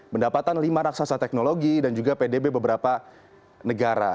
pendapatan lima raksasa teknologi dan juga pdb beberapa negara